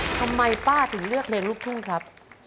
ทำไมป้าถึงเลือกเพลงลูกทุ่งครับ